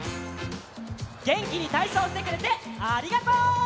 げんきにたいそうしてくれてありがとう！